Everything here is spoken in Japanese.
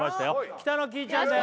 北乃きいちゃんです